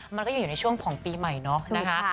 มันก็อยู่ในช่วงของปีใหม่เนาะ